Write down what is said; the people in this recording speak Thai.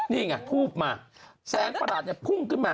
นี่ไงทูบมาแสงประหลาดเนี่ยพุ่งขึ้นมา